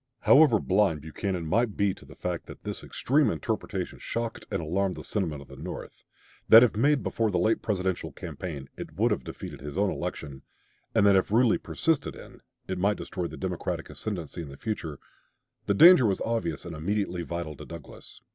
However blind Buchanan might be to the fact that this extreme interpretation shocked and alarmed the sentiment of the North; that if made before the late Presidential campaign it would have defeated his own election; and that if rudely persisted in, it might destroy the Democratic ascendency in the future, the danger was obvious and immediately vital to Douglas.